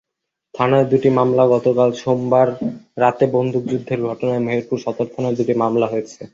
থানায় দুটি মামলাগতকাল সোমবার রাতে বন্দুকযুদ্ধের ঘটনায় মেহেরপুর সদর থানায় দুটি মামলা হয়েছে।